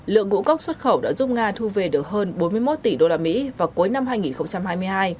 lượng ngũ cốc xuất khẩu đã giúp nga thu về được hơn bốn mươi một tỷ đô la mỹ vào cuối năm hai nghìn hai mươi hai